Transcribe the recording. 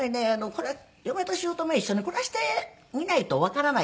これ嫁と姑一緒に暮らしてみないとわからない。